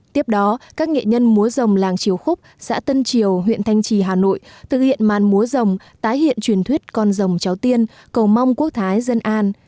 tiếp đó các nghệ nhân múa dòng làng triều khúc xã tân triều huyện thanh trì hà nội thực hiện màn múa rồng tái hiện truyền thuyết con rồng cháu tiên cầu mong quốc thái dân an